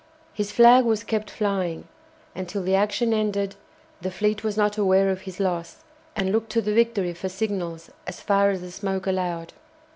His flag was kept flying, and till the action ended the fleet was not aware of his loss, and looked to the "Victory" for signals as far as the smoke allowed.